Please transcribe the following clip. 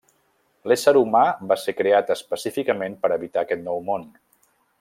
L'ésser humà va ser creat específicament per habitar aquest nou món.